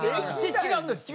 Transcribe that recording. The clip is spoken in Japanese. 違うんです。